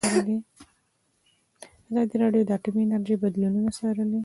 ازادي راډیو د اټومي انرژي بدلونونه څارلي.